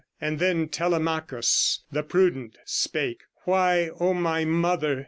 "And then Telemachus, the prudent, spake Why, O my mother!